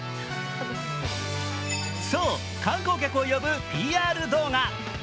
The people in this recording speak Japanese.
そう、観光客を呼ぶＰＲ動画。